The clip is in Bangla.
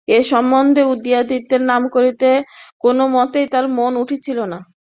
এ সম্বন্ধে উদয়াদিত্যের নাম করিতে কোন মতেই তাহার মন উঠিতেছিল না।